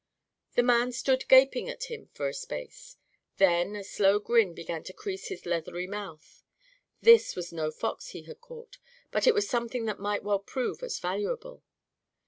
The man stood gaping at him for a space. Then a slow grin began to crease his leathery mouth. This was no fox he had caught. But it was something that might well prove as valuable.